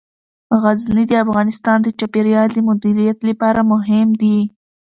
غزني د افغانستان د چاپیریال د مدیریت لپاره مهم دي.